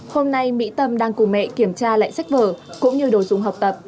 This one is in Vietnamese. hôm nay mỹ tâm đang cùng mẹ kiểm tra lại sách vở cũng như đồ dùng học tập